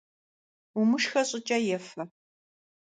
Умышхэ щӏыкӏэ ефэ!